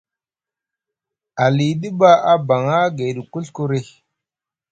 Aliɗi ɓa abaŋa gayɗi kuɵkuri.